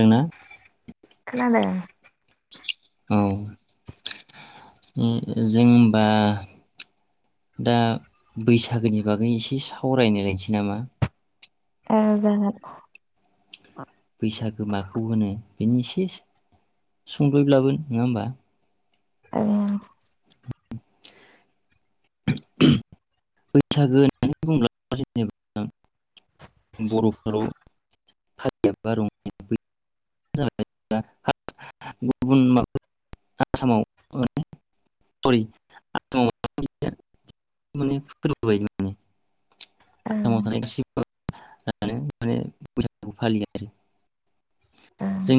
दोंना खोनादों। औ उम जोंबा दा बैसागोनि बागै एसे सावरायनो लायनोसै नामा? औ जागोन। बैसागो माखौ होनो? बेनि एसे सुंद'यैब्लाबो नङा होमबा? औ। [inaudible] [inaudible] बैसागो होननानै बुङोब्लाथ' जेनेबा [unintelligible] [unintelligible] ओं आसामाव थानाय गासिबो माने बैसागुखौ फालियो ओं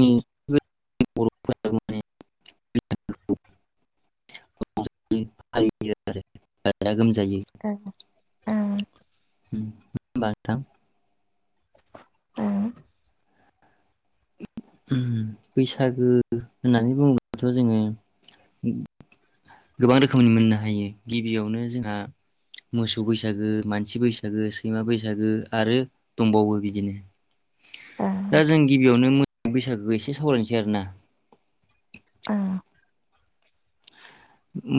आरो [unintelligible] ओं ओं। [unintelligible] औ। उम बैसागो होननानै बुङोब्लाथ' जोङो गोबां रोखोमनि मोननो हायो गिबियावनो जोंहा मोसौ बैसागो मानसि बैसागो सैमा बैसागो आरो दंबावो बिदिनो। ओं। दा जों गिबियावनो मोसौ बैसागो एसे सावरायनोसै आरो ना। औ।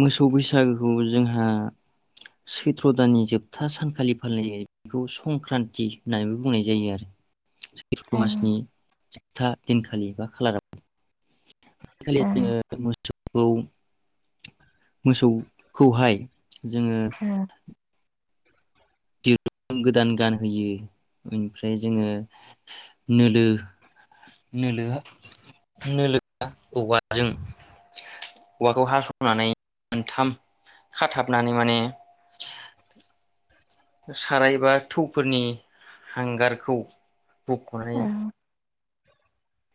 मोसौ बैसागोखौ जोंहा सैथ्र दाननि जोबथा सानखालि फालिनाय जायो बेखौ संक्रान्ति होननानैबो बुंनाय जायो आरो सैथो मासनि ओं [unintelligible] मोसौखौहाय जोंङो ओं दिरुं गोदान गानहोयो ओमफ्राय जोंङो नोलो नोलो नोलो औवाजों औवाखौ हासनानै मोनथाम खाथाबनानै माने साराय बा थौफोरनि हांगारखौ हुखनानै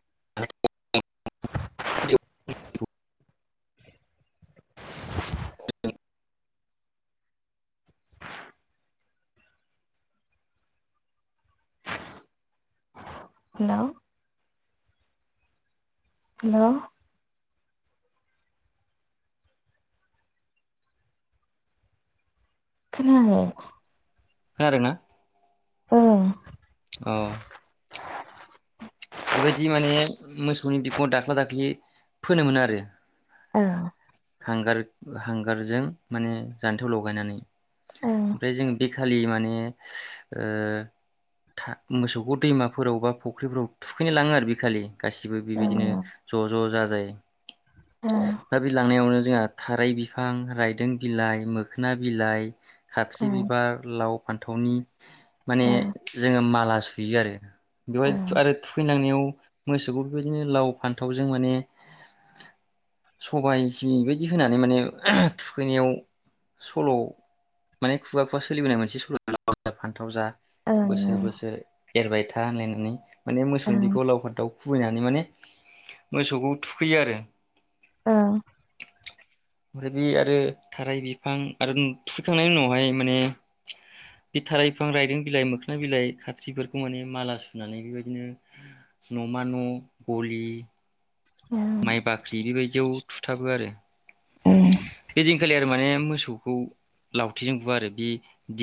[unintelligible] [unintelligible] हेलौ हेलौ खोनायाखै खोनादों ना अ औ बेबायदि माने मोसौनि बिखुङाव दाख्ला दाख्लि फोनो मोन आरो औ हांगार हांगारजों माने जान्थायाव लगायनानै ओं ओमफ्राय जोंङो बेखालि माने ओ था मोसौखौ दैमाफोरावबा फुख्रिफ्राव थुखैनो लांङो आरो बे खालि गाैबो ओं बेबायदिनो ज ज जाजाय ओं दा बे लांनायावनो जोंहा थाराय बिफां रायदों बिलाइ मोखोना बिलाइ खाखसि ओं बिबार लाव फान्थावनि माने जोंङो मा माला सुयो आरो बेवहाय ओं आरो मोसौफोरखौ लाव फान्थाव जों माने सबाय बिदि होननानै माने थुखैनायाव सल माने खुगा खुगा सोलिबोनाय मोनसे [unintelligible] ओं ओं बोसोर ओं बोसोर एरबाय था होननानै नै माने मोसौनि बिखुङाव लाव फानथाव खुबैनानै माने मोसौखौ थुखैयो आरो औ ओमफ्राय बे आरो थाराय बिफां आरो थुखैखांनायनि उनावहाय माने बे थाराय बिफां रायदों बिलाइ मोखां बिलाइ खाथखसिफोरखौ माने माला सुनानै बेबायदिनो नमा न गलि माइ बाख्रि बेबायदियाव थुथाबो आरो [unintelligible] बेखालि आरो माने मोसौखौ लावथिजों बुवा आरो बि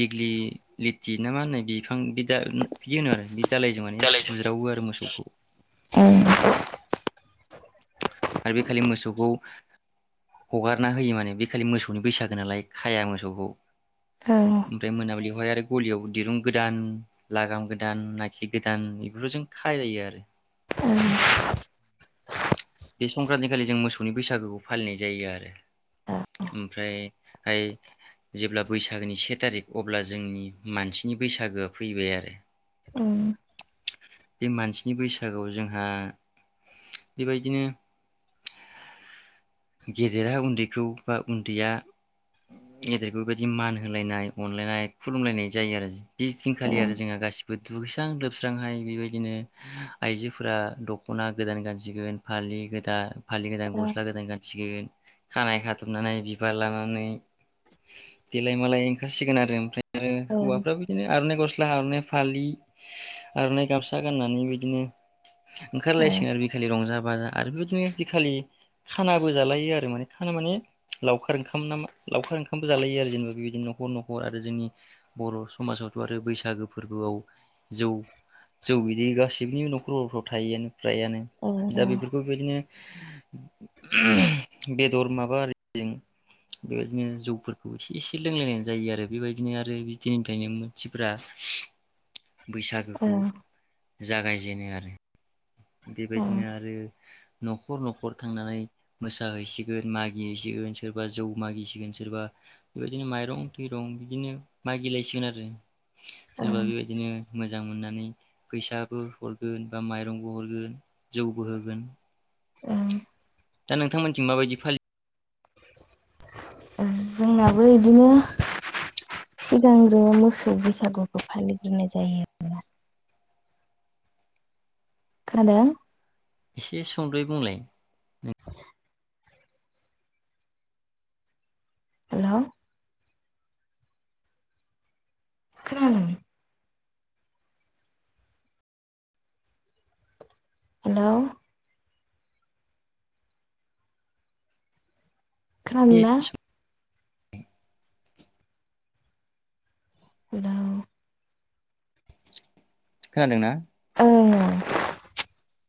दिेग्लि लिथि ना मा होनो बिफां बिदा बिदि होनो आरो बे दालायजों माने बुज्रावो आरो मोसौखौ ओह [inaudible] आरो बेखालि मोसौखौ हगारना होयो माने बे खालि मोसौनि बैसागो नालाय खाया मोसौखौ ओमफ्राय मोनाबिलियाव। बेहाय आरो गलियाव दिरुं गोदान लागाम गोदान नायख्लि गोदान बेफोरफोरखौ जों खायो आरो। बे संक्रान्ति खालि जों मोसौनि बैसागोखौ फालिनाय जायो आरो ओमफ्रायहाय जेब्ला बैसागोनि से थारिख अब्ला जोंनि मानसिनि बैसागोआ फैबाय आरो। उम। बे मानसिनि बैसागआव जोंहा बेबायदि। बिदिनो गेदेरा उन्दैखौ बा उन्दैया गेदेरखौ बेबायदि मान होलायनाय अनलायनाय खुलुमलायनाय जायो आरो। बे ओं दिनखालि आरो जोंहा गासिबो। दुगैस्रां लोबस्रांहाय बेबायदिनो आइजोफोरा दख'ना गोदान गानसिगोन फालि गोदान। फालि गोदां गस्ला गोदान गान खानाय खादबनानै बिबार लानानै देलाय मालाय ओंखारसिगोन आरो ओफ्राय। आरो हौवाफ्राबो बिदिनो आर'इ गस्ला। सिख्ला आर'नाइ फालि आर'नाइ गामसा गाननानै बिदिनो ओंखारलायसिगोन आरो बिलि रंजा बाजा आरो बेबायदिनो बिखालि। खानाबो जालायो आरो माने खाना माने लावखार ओंखाम नामा लावखार ओंखामबो जालायो आरो जेनेबा बेबायदिनो न'खर न'खर आरो जोंनि बर' समाजावथ' आरो बैसागो फोरबोआव जौ जौ बिदि गासिनि न'खर हफ्राव थायोआनो। फ्रायानो दा बेफोरखौ बेबायदिनो। [inaudible] बेदर माबा आरिजों बेबायदिनो जौफोरखौ एसे एसे लोंलायनाय जायो आरो बेबायदिनो आरो बिदोनिफ्रायनो मानसिफोरा। बैसागोखौ ओं जागायजेनो आरो। ओं बेबायदिनो आरो। न'खर न'खर थांनानै मोसाहैसिगोन मागिहैसिगोन सोरबा जौ मागिसिगोन सोरबा बेबायदिनो माइरं थरं बिदिनो मागिलायसिगोन आरो। सोरबा बेबायदिनो। मोजां मोननानै फैसाबो हरगोन बा माइरं। हरो जौबो होगोन। ओं दा नोंथांमोननिथिं माबायदि फालियो। जोंनाबो बिदिनो सिगांग्रो मोसौ बैसागुखौ फालिग्रोनाय जायो आरो। खोनादो एसे संद'यै बुंलाय। हेल'। खोनाला हेल'। खोनादोंना एसे [inaudible] दा। खोनादोंना उम।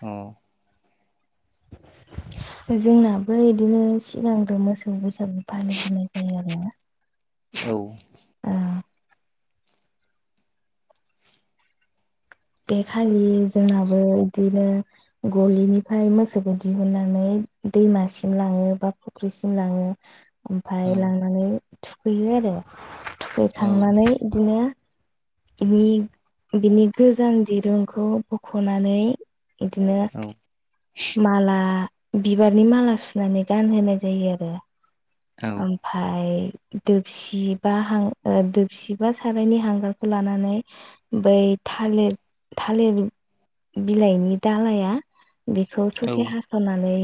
औ। जोंनाबो यदिनो सिगांग्रो मोसौ बैसागु फालिग्रोनाय जायो आरो। औ। ओ बे खालि जोंनाबो बिदिनो गलिनिफ्राय मोसौखौ दिहुुननानै दैमासिम लाङो बा फुख्रिसिम लाङो। ओमफाय लांनानै। थुखैयो आरो । औ थुखैखांनानै इदिनो नि बिनि गोजाम दिरुंखौ बख'नानै इदिनो औ माला बिबारनि माला सुनानै गानहोनाय जायो आरो औ ओमफ्राय दोबसि बा हां ओ दोबसि बा सारायनि हांगारखौ लानानै बै थालिर थालिर बिलाइनि दालाया बेखौ औ ससे हास'नानै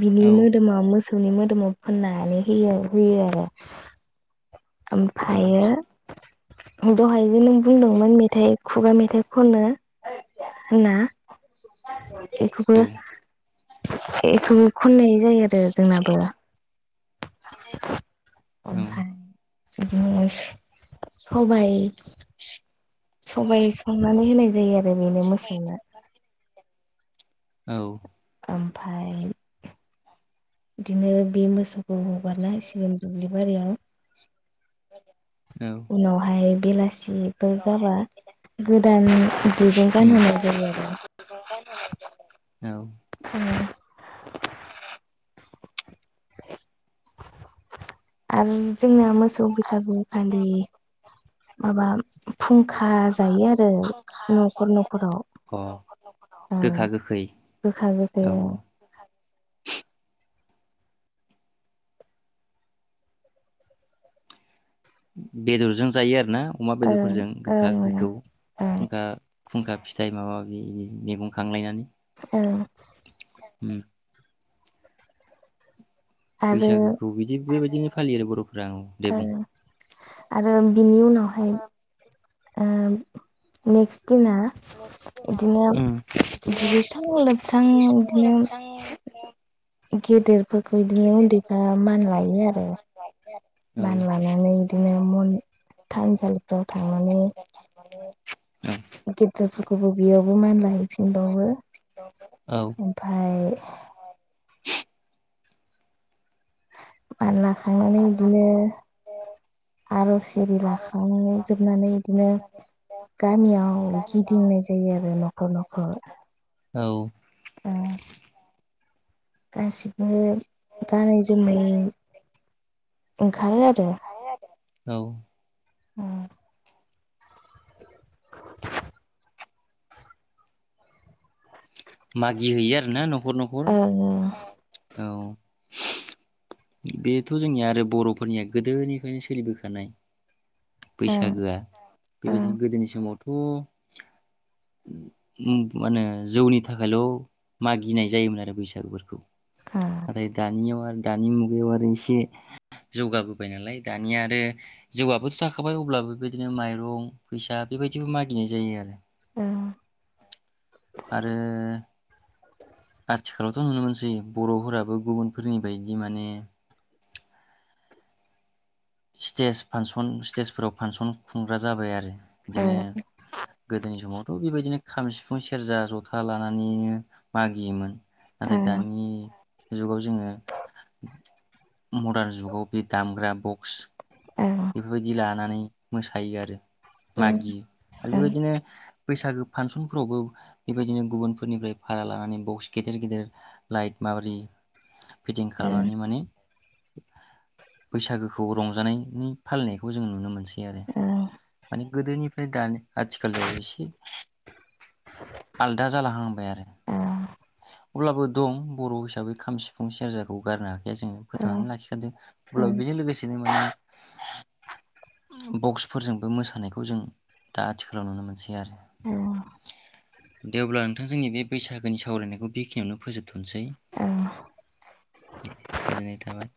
बिनि मोदोमा मो सौनि मोदोमाव फोनना नै होयो आरो होयो आरो औ ओमफ्रायो दहाय जे नों बुंदोंमोन मेथाइ खुगा मेथाइ खनो होनना एखौबो एखौनो खननाय जायो आ रो जोंनाबो ओमफ्राय बिदिनो स-सबाय सबाय संनानै होनाय जायो आरो बेनो मोसौनो औ ओमफ्राय बिदिनो बे मोसौखौ हगारना होसिगोन दुब्लि बारियाव उनावहाय बेलासि बिफोर जाबा गोदान दिरुंजों गानहोनाय जायो आरो खानाय जायो औ [unintelligible] आरो जोंना मो सौ बैसागुखालि माबा फुंखा जायो आरो न'खर न'खराव अ ओ गोखा गोखै गोखा ओ गोखै औ औ बेदरजों जायो आरो ना? अमा ओ बेदरफोरजों ओ गोखा गोखै फुंखा । फुंखा फिथाइ माबा माबि मैगं खांलायनानै । ओं उम आरो बैसागोखौ बिदि बेबायदिनो फालि आरो बर'फो [unintelligible] दे ओ बुं। आरो बिनि उनावहाय ओम नेक्स दिना इदिनो उम दुगैस्रां लोबस्रां इदिनो गेदेर फोरफोरखौ इदिनो उन्दैफ्रा मान लायो आरो औ मान लानानै इदिनो मन थानसालिफ्राव थांनानै औ गेदेरफोरखौबो बेयावबो मान लायहैै फिनबावो औ ओमफाय माला थांनानै इदिनो आरज एरि लाखांजोबनानै इदिनो गामियाव गिदिंनाय जायो आरो न'खर न'खर। औ। ओम। गासिब नो गानै जोमै ओंखारो आरो। औ। उम। [inaudible] मागि हैयो आरोना न ओं ओं। औ। बेथ' जोंनिया आरो बर'फोरनिया गोदोनिफ्रायनो सोलिबोखानाय। बैसागोआ बेबायदिनो गोदोनि समावथ' उम मानो जौनि थाखायल' मागिनाय जायोमोन आरो बैसागोफोरखौ। नाथाय दानियाव आरो दानि मुगायाव आरो इसे जौगाबोबाय नालाय दानिया आरो जौआबोथ' थाखाबाय अब्लाबो बेबायदिनो माइरं फैसा बेबायदिबो मागिनाय जायो आरो। ओ। आरो आथिखालावथ' नुनो मोनसै बर'फोराबो गुबुनफोरनि बायदि माने स्टेज फांसन स्टेजफोराव फांसन खुंग्रा जाबाय आरो। बिदिनो गोदोनि समाव ओ बेबायदिनो खाम, सिफुं, सेरजा, जथा लानानैनो मागियोमोन। नाथाय दानि जुगाव जोङो मदार्न जुगाव बे दामग्रा बक स बेफोरबायदि लानानै मोसायो आरो। मागियो। आरो बेबायदिनो बैसागो फांसनफोरावबो बेबायदिनो गुबुनफोरनिफ्राय भारा लानानै बक्स गेदेर गेदेर लाइट माबारि फिटिं खालामनानै माने बैसागोखौ रंजानायनि फालिनायखौ जों नुनो मोनसै आरो माने गोदोनिफ्राय दानि आथिखालाव एसे आलदा जालाहांबाय आरो अब्लाबो दं बर हिसाबै खाम सिफुं सेरजाखौ गारनो हा बे जोङो फोथांनानै लाखिखादों अब्ला बेजों लोगोसेनो माने बक्सफोरजोंबो मोसानायखौ जों दा आथिखालाव नुनो मोनसै आरो दे अब्ला नोंथां जोंनि बे बैसागोनि सावरायनायखौ बेखिनियावनो फोजोबथनसै दे गोजोननाय थाबाय